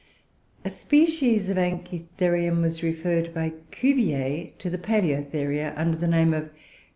A species of Anchitherium was referred by Cuvier to the Paloeotheria under the name of _P.